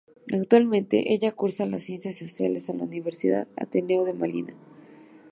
Actualmente ella cursa las Ciencias Sociales en la Universidad Ateneo de Manila.